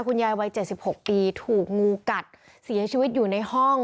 วัย๗๖ปีถูกงูกัดเสียชีวิตอยู่ในห้อง